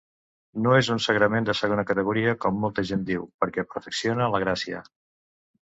No és un sagrament de segona categoria, com molta gent diu, perquè perfecciona la gràcia.